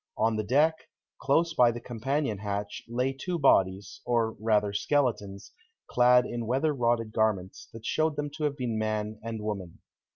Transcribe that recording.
On the deck, close by the companion hatch, lay two bodies, or rather skeletons, clad in weather rotted garments, that showed them to have been man and woman.